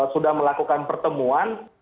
sudah melakukan pertemuan